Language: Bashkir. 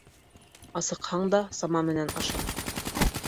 Асыҡһаң да сама менән аша.